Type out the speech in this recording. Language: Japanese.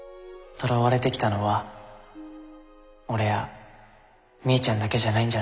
とらわれてきたのは俺やみーちゃんだけじゃないんじゃないの？